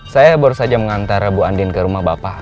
saya baru saja mengantar bu andin ke rumah bapak